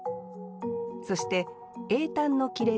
そして詠嘆の切れ字